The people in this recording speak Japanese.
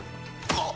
あっ。